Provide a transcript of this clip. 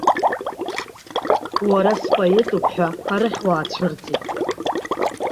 Уара споетуп ҳәа арахь уаацәырҵит!